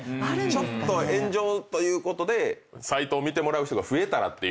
ちょっと炎上ということでサイトを見てもらう人が増えたらっていう。